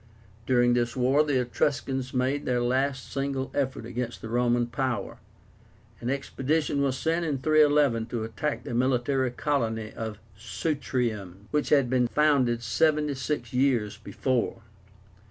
During this war the Etruscans made their last single effort against the Roman power. An expedition was sent in 311 to attack the military colony of Sutrium, which had been founded seventy six years before.